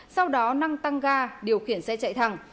sau đó năng tăng ga điều khiển xe chạy thẳng